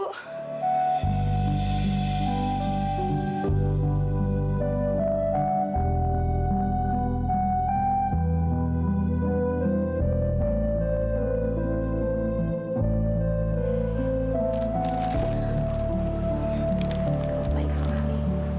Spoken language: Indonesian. kamu baik sekali